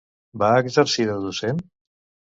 Va exercir de docent?